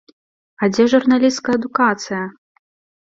А дзе журналісцкая адукацыя?